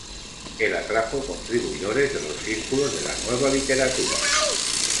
Él atrajo contribuidores de los círculos de la "nueva literatura".